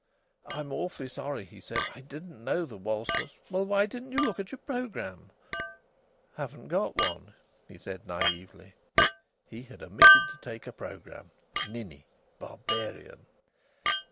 "I'm awfully sorry," he said. "I didn't know the waltz was " "Well, why didn't you look at your programme?" "Haven't got one," he said naïvely. He had omitted to take a programme. Ninny! Barbarian!